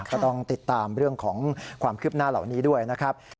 ก็ต้องติดตามเรื่องของความคืบหน้าเหล่านี้ด้วยนะครับ